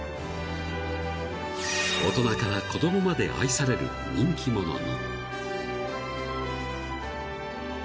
［大人から子供まで愛される人気者に］